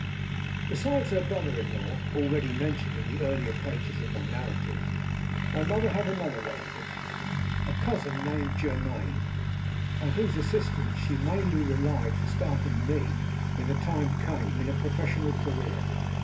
Besides her brother in law (already mentioned in the earlier pages of my narrative), my mother had another relative a cousin named Germaine on whose assistance she mainly relied for starting me, when the time came, in a professional career.